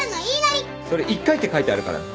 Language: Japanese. それ１回って書いてあるからな。